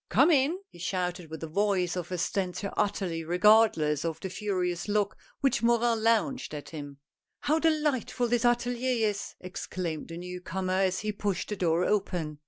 Come in ! he shouted with the voice of a stentor utterly regardless of the furious look which Morin launched at him. " How delightful this atelier is !" exclaimed the new comer as he pushed the door open.